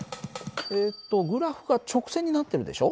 えっとグラフが直線になってるでしょ。